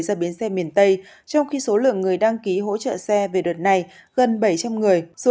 ra bến xe miền tây trong khi số lượng người đăng ký hỗ trợ xe về đợt này gần bảy trăm linh người số